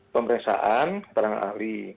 pemeriksaan keterangan ahli